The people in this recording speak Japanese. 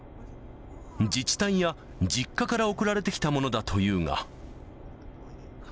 自治体や実家から送られてきたものだというが。